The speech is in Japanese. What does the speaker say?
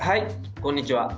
こんにちは。